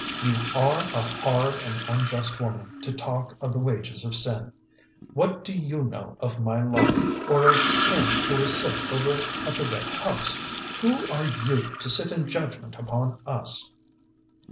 "You are a hard and unjust woman, to talk of the 'wages of sin.' What do you know of my life, or of him who is sick over at the red house? Who are you, to sit in judgment upon us?"